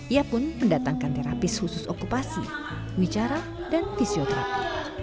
ia pun mendatangkan terapis khusus okupasi wicara dan fisioterapi